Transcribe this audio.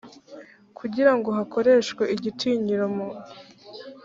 kugira ngo hakoreshwe igitinyiro mu